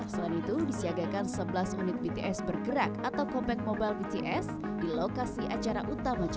selain itu disiagakan sebelas unit bts bergerak atau compact mobile bts di lokasi acara utama gbk